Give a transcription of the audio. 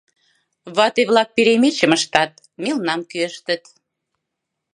Вате-влак перемечым ыштат, мелнам кӱэштыт.